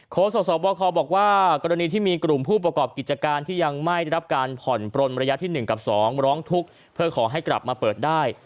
โศสบคบอกว่ากรณีที่มีกลุ่มผู้ประกอบกิจการที่ยังไม่ได้รับการผ่อนปลนระยะที่๑กับ๒ร้องทุกข์เพื่อขอให้กลับมาเปิดได้